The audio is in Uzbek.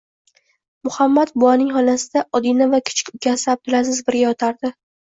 Muhammad buvaning xonasida Odina va kichik ukasi Abdulaziz birga yotardi